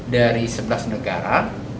dari sebelas negara